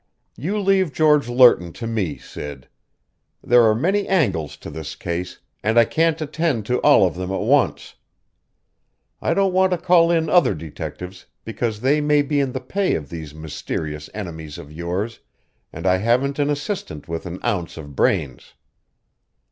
You leave George Lerton to me, Sid. There are many angles to this case, and I can't attend to all of them at once. I don't want to call in other detectives, because they may be in the pay of these mysterious enemies of yours, and I haven't an assistant with an ounce of brains.